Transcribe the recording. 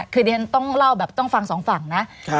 ก็ต้องเล่าักษ์ซองหอย